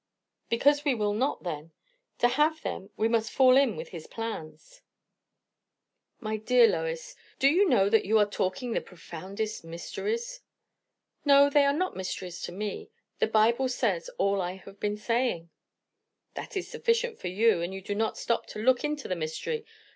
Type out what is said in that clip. "Because we will not, then. To have them, we must fall in with his plans." "My dear Lois, do you know that you are talking the profoundest mysteries?" "No. They are not mysteries to me. The Bible says all I have been saying." "That is sufficient for you, and you do not stop to look into the mystery.